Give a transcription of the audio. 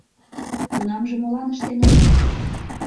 Тунамже молан ыштен отыл?